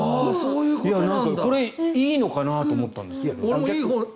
これいいのかなと思ったんですけど。